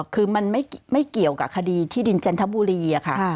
คือมันไม่เกี่ยวกับคดีที่ดินจันทบุรีค่ะ